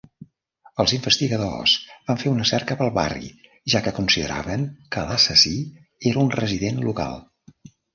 Els investigadors van fer una cerca pel barri, ja que consideraven que l'assassí era un resident local.